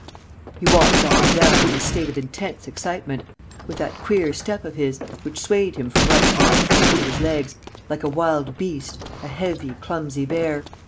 He walked up and down, in a state of intense excitement, with that queer step of his, which swayed him from right to left on each of his legs, like a wild beast, a heavy, clumsy bear.